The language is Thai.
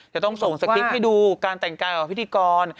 จะต้องส่งสคริปต์ให้ดูการแต่งกายกับพิธีกร